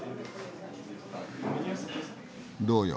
どうよ？